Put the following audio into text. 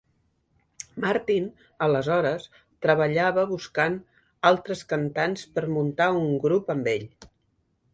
Martin, aleshores, treballava buscant altres cantants per muntar un grup amb ell.